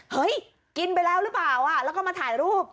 เฮ้ยกินไปแล้วหรือเปล่าแล้วก็มาถ่ายรูป